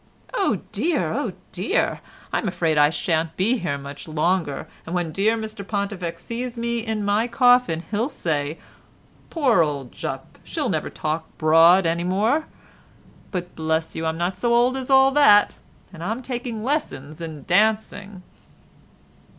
Oh dear, oh dear! I'm afraid I shan't be here much longer, and when dear Mr Pontifex sees me in my coffin he'll say, 'Poor old Jupp, she'll never talk broad any more'; but bless you I'm not so old as all that, and I'm taking lessons in dancing."